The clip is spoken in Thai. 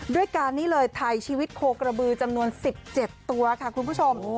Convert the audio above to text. ด้วยการนี่เลยถ่ายชีวิตโคกระบือจำนวน๑๗ตัวค่ะคุณผู้ชม